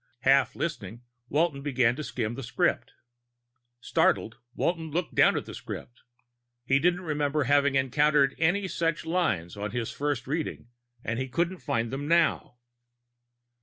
Half listening, Walton began to skim the script. Startled, Walton looked down at the script. He didn't remember having encountered any such lines on his first reading, and he couldn't find them now.